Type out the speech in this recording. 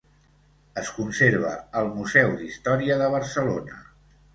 Es conserva al Museu d'Història de Barcelona.